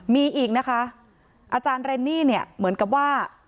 มีอีกนะคะอาจารย์เรนนี่เนี่ยเหมือนกับว่า